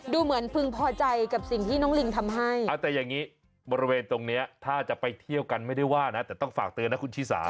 ดูเหมือนพึงพอใจกับสิ่งที่น้องลิงทำให้แต่อย่างนี้บริเวณตรงนี้ถ้าจะไปเที่ยวกันไม่ได้ว่านะแต่ต้องฝากเตือนนะคุณชิสา